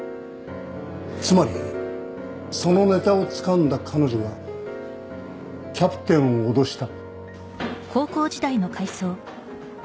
つまりそのネタをつかんだ彼女がキャプテンを脅した？